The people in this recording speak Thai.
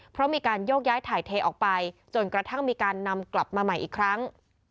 เพราะมีการโยกย้ายถ่ายเทออกไปจนกระทั่งมีการนำกลับมาใหม่อีกครั้ง